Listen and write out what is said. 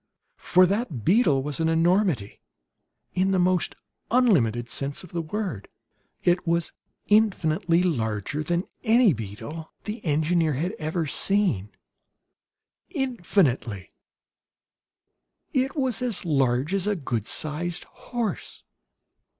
For that beetle was an enormity in the most unlimited sense of the word. It was infinitely larger than any beetle the engineer had ever seen infinitely! It was as large as a good sized horse!